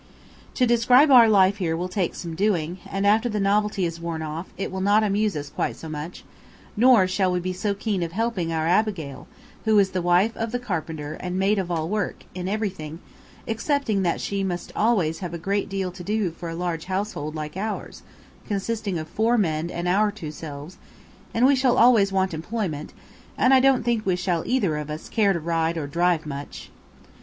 To describe our life here will take some doing, and, after the novelty has worn off, it will not amuse us quite so much; nor shall we be so keen of helping our Abigail, who is the wife of the carpenter and maid of all work, in everything, excepting that she must always have a great deal to do for a large household like ours, consisting of four men and our two selves, and we shall always want employment, and I don't think we shall either of us care to ride or drive much.